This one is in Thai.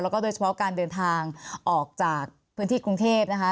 แล้วก็โดยเฉพาะการเดินทางออกจากพื้นที่กรุงเทพนะคะ